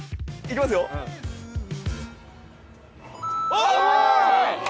おい。